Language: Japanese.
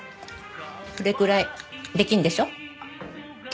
それくらいできるでしょ？